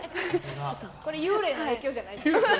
これ幽霊の影響じゃないです。